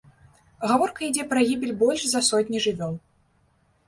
Гаворка ідзе пра гібель больш за сотні жывёл.